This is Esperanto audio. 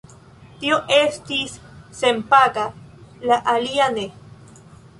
Tio estis senpaga, la alia ne.